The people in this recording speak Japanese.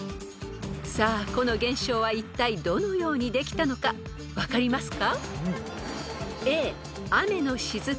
［さあこの現象はいったいどのようにできたのか分かりますか？］